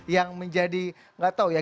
yang menjadi gak tau ya